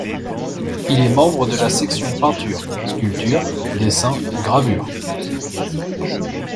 Il est membre de la section peinture, sculpture, dessins et gravures.